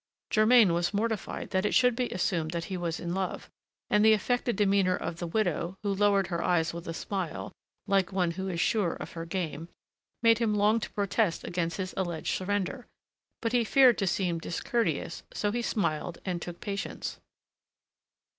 Germain was mortified that it should be assumed that he was in love; and the affected demeanor of the widow, who lowered her eyes with a smile, like one who is sure of her game, made him long to protest against his alleged surrender; but he feared to seem discourteous, so he smiled and took patience.